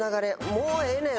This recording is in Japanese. もうええねん！